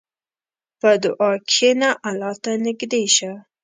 په دعا کښېنه، الله ته نږدې شه.